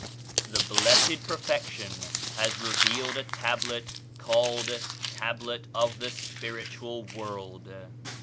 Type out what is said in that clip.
"The Blessed Perfection has revealed a Tab let called Tablet of the Spiritual World.'